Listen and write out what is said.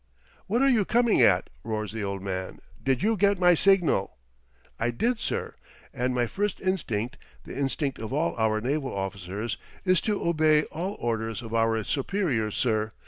"'What are you coming at?' roars the old man. 'Did you get my signal?' "'I did, sir. And my first instinct the instinct of all our naval officers is to obey all orders of our superiors, sir.